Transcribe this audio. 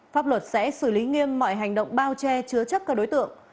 pháp luật sẽ xử lý nghiêm mọi hành động bao che chứa chấp các đối tượng